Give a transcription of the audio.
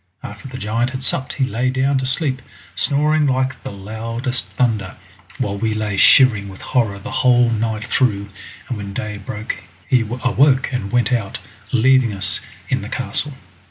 After the giant had supped he lay down to sleep, snoring like the loudest thunder, while we lay shivering with horror the whole night through, and when day broke he awoke and went out, leaving us in the castle.